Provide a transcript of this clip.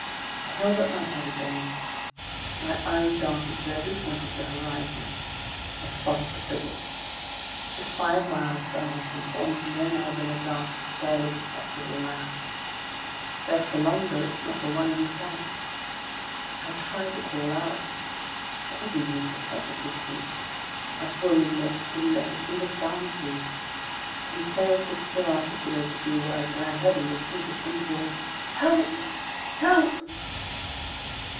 I held up my head again. My eyes darted to every point of the horizon. I spotted the frigate. It was five miles from us and formed no more than a dark, barely perceptible mass. But as for longboats, not a one in sight! I tried to call out. What was the use at such a distance! My swollen lips wouldn't let a single sound through. Conseil could still articulate a few words, and I heard him repeat at intervals: "Help! Help!"